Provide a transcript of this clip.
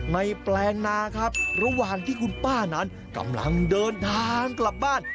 แปลงนาครับระหว่างที่คุณป้านั้นกำลังเดินทางกลับบ้าน